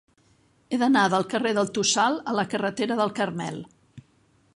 He d'anar del carrer del Tossal a la carretera del Carmel.